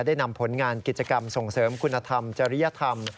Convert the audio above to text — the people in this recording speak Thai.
ได้นำผลงานกิจกรรมส่งเสริมคุณธรรมจริยธรรม